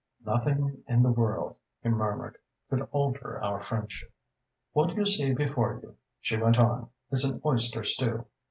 "Nothing in the world," he murmured, "could alter our friendship." "What you see before you," she went on, "is an oyster stew.